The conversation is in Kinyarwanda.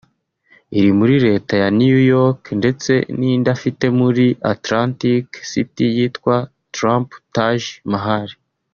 iri muri leta ya New York ndetse n’indi afite muri Atlantic City yitwa Trump Taj Mahal